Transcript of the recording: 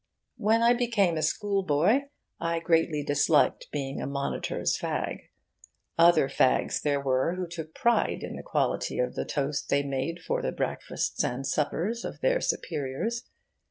When I became a schoolboy, I greatly disliked being a monitor's fag. Other fags there were who took pride in the quality of the toast they made for the breakfasts and suppers of their superiors.